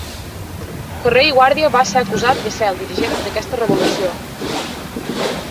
Ferrer i Guàrdia va ser acusat de ser el dirigent d’aquesta revolució.